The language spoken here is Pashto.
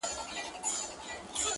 هغه به څرنګه بلا وویني